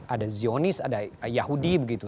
ada zionis ada yahudi begitu